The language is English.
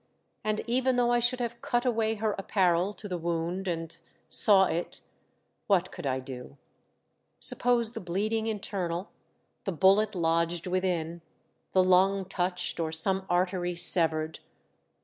And even though I should have cut away her apparel to the wound and saw it, what could I do ? Suppose the bleeding internal — the bullet lodged within, the lung touched, or some artery severed